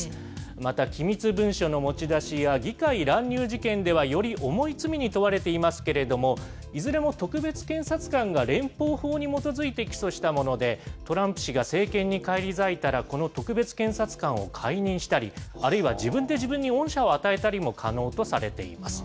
また機密文書の持ち出しや、議会乱入事件では、より重い罪に問われていますけれども、いずれも特別検察官が連邦法に基づいて起訴したもので、トランプ氏が政権に返り咲いたら、この特別検察官を解任したり、あるいは自分で自分に恩赦を与えたりも可能とされています。